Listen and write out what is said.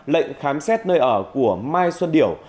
lệnh khám xét nơi ở của mai xuân điểu